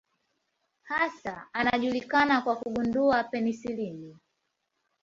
Hasa anajulikana kwa kugundua penisilini.